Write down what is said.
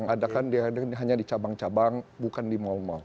padahal kan dia hanya di cabang cabang bukan di mal mal